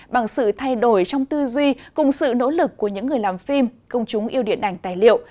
bằng sự thay đổi trong tư duy cùng sự nỗ lực của những người làm phim công chúng yêu điện ảnh tài liệu